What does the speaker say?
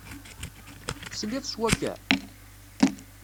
Tesliḍ s wakka?